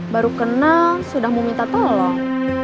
baru kenal sudah mau minta tolong